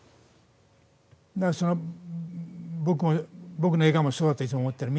だから、僕の映画もそうだといつも思ってる。